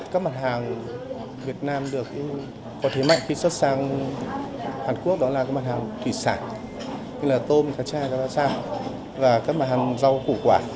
các mặt hàng việt nam có thể mạnh khi xuất sang hàn quốc đó là mặt hàng thủy sản tôm trái trái các loại sản và các mặt hàng rau củ quả